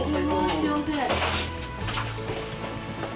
すいません。